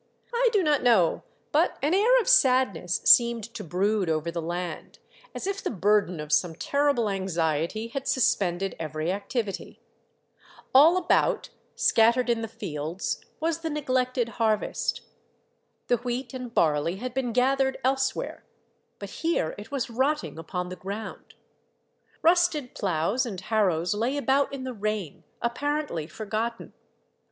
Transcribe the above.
I do not know, but an air of sadness seemed to brood over the land, as if the burden of some terrible anxiety had suspended every activity. All about, Decorated the Fifteenth of August, 145 scattered in the fields, was the neglected harvest. The wheat and barley had been gathered elsewhere, but here it was rotting upon the ground. Rusted ploughs and harrows lay about in the rain, appar ently forgotten.